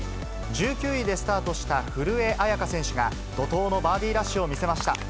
１９位でスタートした古江彩佳選手が、怒とうのバーディーラッシュを見せました。